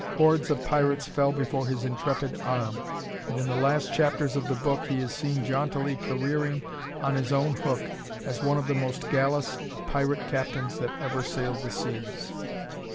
Hordes of pirates fell before his intrepid arm, and in the last chapters of the book he is seen jauntily careering on his own hook as one of the most gallous pirate captains that ever sailed the seas.